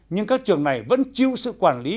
nhưng các trường này vẫn chiêu sự quản lý